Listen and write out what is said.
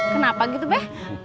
kenapa gitu be